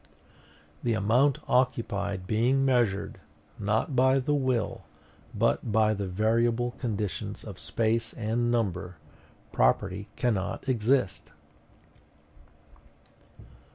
THE AMOUNT OCCUPIED BEING MEASURED, NOT BY THE WILL, BUT BY THE VARIABLE CONDITIONS OF SPACE AND NUMBER, PROPERTY CANNOT EXIST.